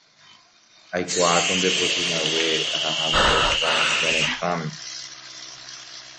aikuaáko ndepochyhague ahahaguére Francia retãme